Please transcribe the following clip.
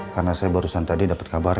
karena saya barusan tadi dapet kabar